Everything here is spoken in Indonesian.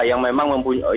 yang memang mempunyai